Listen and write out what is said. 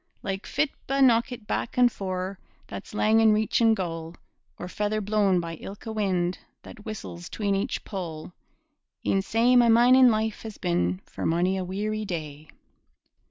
Like fitba' knockit back and fore, That's lang in reachin' goal, Or feather blown by ilka wind That whistles 'tween each pole E'en sae my mining life has been For mony a weary day.